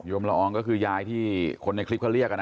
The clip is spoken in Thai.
มละอองก็คือยายที่คนในคลิปเขาเรียกนะ